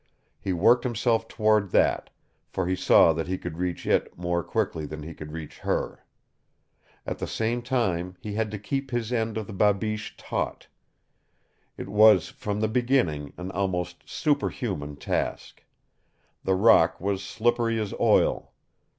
He worked himself toward that, for he saw that he could reach it more quickly than he could reach her. At the same time he had to keep his end of the babiche taut. It was, from the beginning, an almost superhuman task. The rock was slippery as oil.